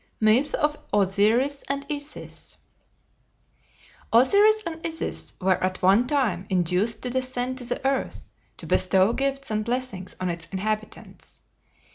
'" MYTH OF OSIRIS AND ISIS Osiris and Isis were at one time induced to descend to the earth to bestow gifts and blessings on its inhabitants.